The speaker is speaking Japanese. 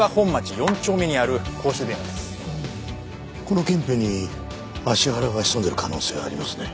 この近辺に芦原が潜んでいる可能性がありますね。